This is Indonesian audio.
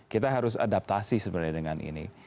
kita harus adaptasi sebenarnya dengan ini